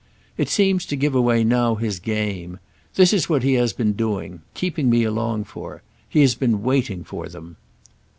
"It seems to give away now his game. This is what he has been doing—keeping me along for. He has been waiting for them."